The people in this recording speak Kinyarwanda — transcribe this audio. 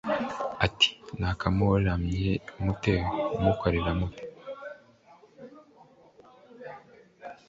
ati «naka mumeranye mute, umukorera ute